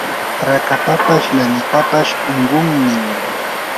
rakapapas lanipapas unquynin